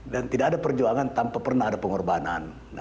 dan tidak ada perjuangan tanpa pernah ada pengorbanan